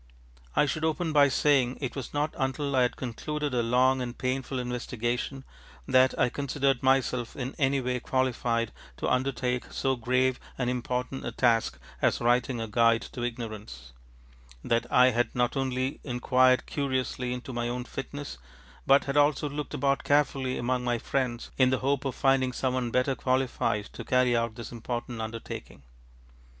I should open by saying it was not until I had concluded a long and painful investigation that I considered myself in any way qualified to undertake so grave and important a task as writing a guide to ignorance: that I had not only inquired curiously into my own fitness, but had also looked about carefully among my friends in the hope of finding some one better qualified to carry out this important undertaking.